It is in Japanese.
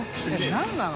┐何なの？